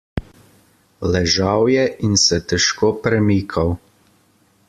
Ležal je in se težko premikal.